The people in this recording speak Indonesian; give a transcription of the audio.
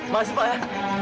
makasih pak ya